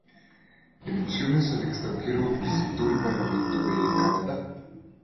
En misiones al extranjero, visitó el Parlamento de Canadá.